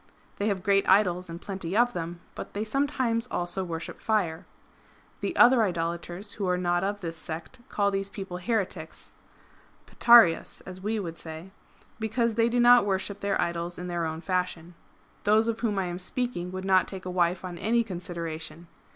They have great idols, and plenty of them ; but they sometimes also worship fire. The other Idolaters who are not of this sect call these people heretics — Patarins as we should say^^ — because they do not worship their idols in their own fashion. Those of whom I am speaking would not take a wife on any consideration.